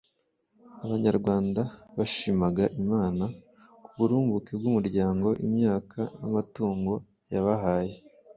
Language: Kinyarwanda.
Abanyarwanda bashimaga Imana k’uburumbuke bw’umuryango, imyaka n’amatungo yabahaye.